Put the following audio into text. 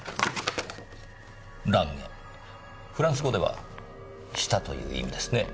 フランス語では「舌」という意味ですねぇ。